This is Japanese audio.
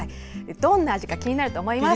どんな味か気になると思います。